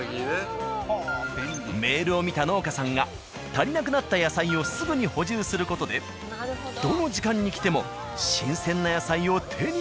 メールを見た農家さんが足りなくなった野菜をすぐに補充する事でどの時間に来ても新鮮な野菜を手にできる。